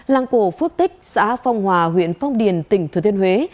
làng cổ phước tích xã phong hòa huyện phong điền tỉnh thừa thiên huế